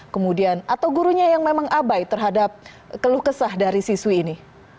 kemudian atau gurunya yang memang abai terhadap keluh kesah dari siswi ini